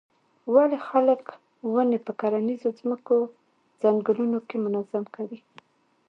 ولې خلک ونې په کرنیزو ځمکو څنګونو کې منظم کري.